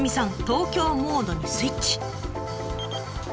東京モードにスイッチ。